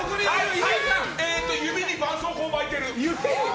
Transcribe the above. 指にばんそうこうを巻いてる。